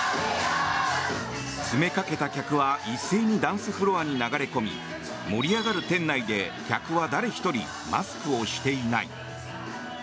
詰めかけた客は一斉にダンスフロアに流れ込み盛り上がる店内で客は誰一人マスクをしていない。